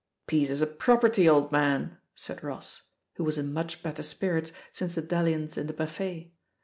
"Piece is a property, old man,'' said Ross, who was in much better spirits since the dalliance in the buffet.